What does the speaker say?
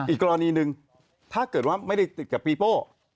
อีกกรณีหนึ่งถ้าเกิดว่าไม่ได้ติดกับปีโป้